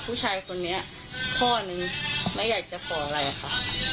วันนี้ไม่อยากจะขออะไรค่ะ